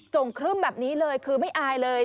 ่งครึ่มแบบนี้เลยคือไม่อายเลย